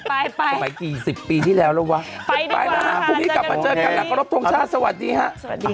ต่อไปกี่๑๐ปีที่แล้วล่ะวะไปดีกว่าค่ะจ๊ะค่ะสวัสดีครับ